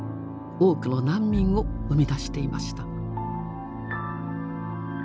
多くの難民を生み出していました。